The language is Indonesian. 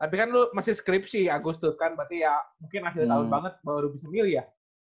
tapi kan lu masih skripsi agustus kan berarti ya mungkin akhir tahun banget baru bisa milih ya